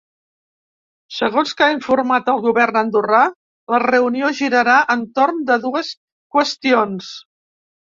Segons que ha informat el govern andorrà, la reunió girarà entorn de dues qüestions.